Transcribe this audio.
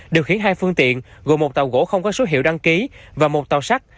điều khiển hai phương tiện gồm một tàu gỗ không có số hiệu đăng ký và một tàu sắt